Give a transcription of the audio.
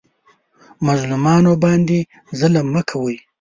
مظلومانو باندې ظلم مه کوئ